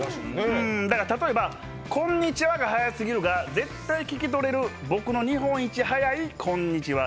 だから例えばこんにちは早すぎるから絶対聞き取れる僕の日本一早いこんにちは。